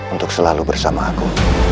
untuk selalu bersama aku